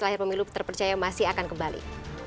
layar pemilu terpercaya masih akan kembali